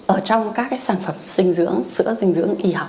ở trong các sản phẩm sinh dưỡng sữa sinh dưỡng y học